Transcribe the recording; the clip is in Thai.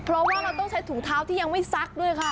เพราะว่าเราต้องใช้ถุงเท้าที่ยังไม่ซักด้วยค่ะ